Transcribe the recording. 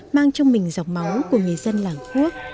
mang trong mình dòng máu của người dân làng khuốc